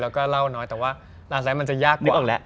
แล้วก็เล่าน้อยแต่ว่าหลังจากนั้นมันจะยากกว่า